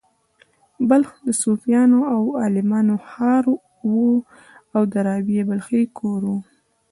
بلخ د صوفیانو او عالمانو ښار و او د رابعې بلخۍ کور و